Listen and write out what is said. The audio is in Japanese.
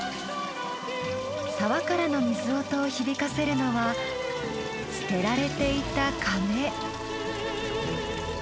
沢からの水音を響かせるのは捨てられていたカメ。